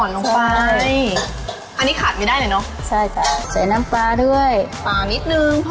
ลงไปอันนี้ขาดไม่ได้เลยเนอะใช่จ้ะใส่น้ำปลาด้วยปลานิดนึง